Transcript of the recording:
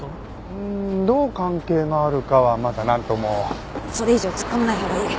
うーんどう関係があるかはまだなんとも。それ以上突っ込まないほうがいい。